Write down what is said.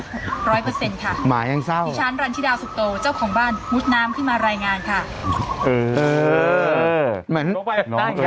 ร้อยเปอร์เซ็นต์ค่ะหมายังเศร้าที่ชั้นฟรรณทีดาลศุกโตเจ้าของบ้าน